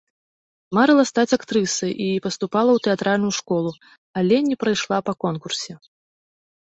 Марыла стаць актрысай і паступала ў тэатральную школу, але не прайшла па конкурсе.